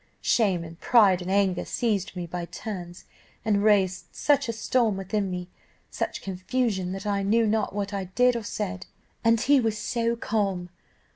Shame and pride and anger seized me by turns, and raised such a storm within me such confusion that I knew not what I did or said. And he was so calm!